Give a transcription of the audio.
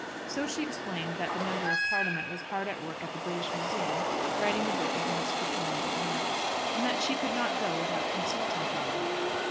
So she explained that the Member of Parliament was hard at work at the British Museum, writing a book against the payment of rents, and that she could not go without consulting him.